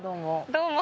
どうも。